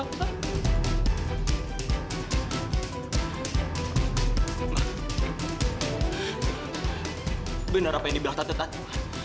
ma benar apa yang dibilang tante tadi